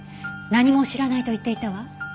何も知らないと言っていたわ。